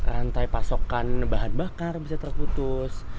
rantai pasokan bahan bakar bisa terputus